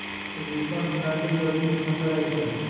O‘zbekiston Jurnalistlari ijodiy uyushmasi raisi